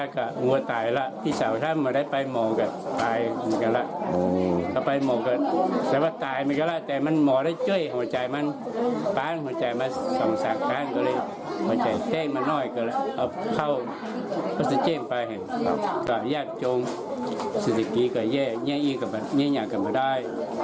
ก็แยกจงศิษย์สิทธิกิกับเย่แยกอีกอย่างกลับมาได้